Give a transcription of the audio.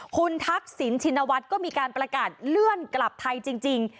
คุณทักษิณชินวัฒน์ก็มีการประกาศเลื่อนกลับไทยจริง